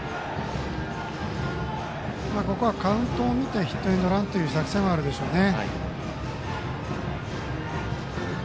カウントを見てヒットエンドランという作戦はあるでしょうね。